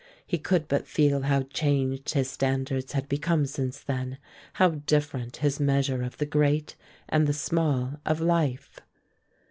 He could but feel how changed his standards had become since then, how different his measure of the great and the small of life.